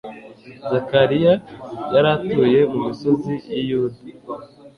Zakariya yari atuye “mu misozi y'i Yudaya